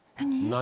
何？